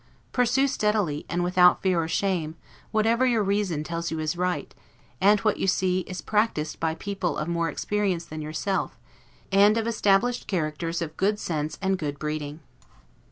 Pursue steadily, and without fear or shame, whatever your reason tells you is right, and what you see is practiced by people of more experience than yourself, and of established characters of good sense and good breeding.